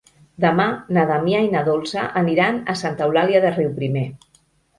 Demà na Damià i na Dolça aniran a Santa Eulàlia de Riuprimer.